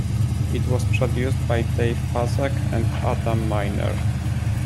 It was produced by Dave Puzak and Adam Miner.